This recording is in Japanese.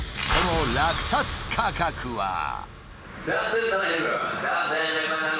その落札価格は。